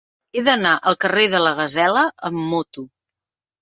He d'anar al carrer de la Gasela amb moto.